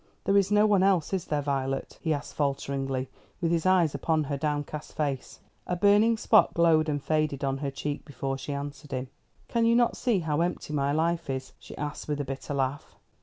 There is no one else, is there, Violet?" he asked falteringly, with his eyes upon her downcast face. A burning spot glowed and faded on her cheek before she answered him. "Can you not see how empty my life is?" she asked with a bitter laugh.